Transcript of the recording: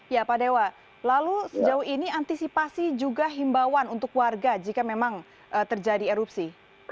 ya pak dewa lalu sejauh ini antisipasi juga himbawan untuk warga jika memang terjadi erupsi